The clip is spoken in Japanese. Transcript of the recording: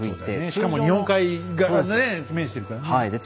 しかも日本海がね面してるからね。